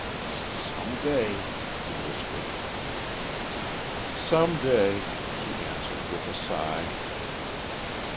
"S some day," he whispered. "Some day," she answered, with a sigh.